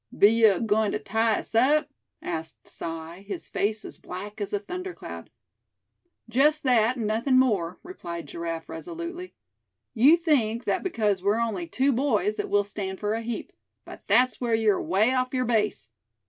"Be yuh agoin' tuh tie us up?" asked Si, his face as black as a thundercloud. "Just that, and nothing more," replied Giraffe, resolutely. "You think that because we're only two boys that we'll stand for a heap; but that's where you're away off your base.